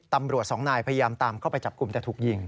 ตำรวจสองนายพยายามตามเข้าไปจับกลุ่มแต่ถูกยิง